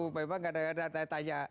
memang ada tanya tanya